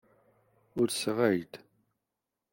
Ulseɣ-ak-d.